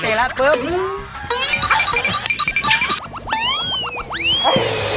ฮือเอ๊ะ